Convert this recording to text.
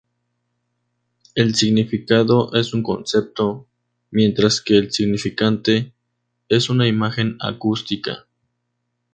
El significado es un concepto, mientras que el significante es una imagen acústica.